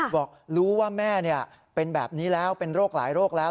บอกรู้ว่าแม่เป็นแบบนี้แล้วเป็นโรคหลายโรคแล้ว